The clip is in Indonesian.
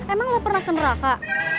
emang lo pernah ke neraka